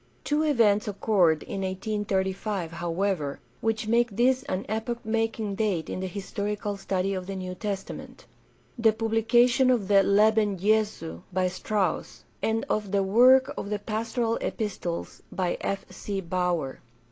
Two events occurred in 1835, however, which make this an epoch making date in the historical study of the New Testament: the publication of the Leben Jesu by Strauss, and of the work on the Pastoral Epistles by F. C. Baur.